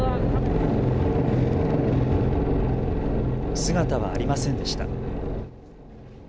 姿はありませんでした。